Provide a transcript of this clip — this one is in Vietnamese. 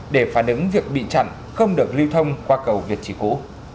để phản ứng việc bị chặn không được lưu thông qua cầu việt trì cũ